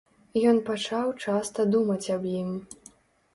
Ён пачаў часта думаць аб ім.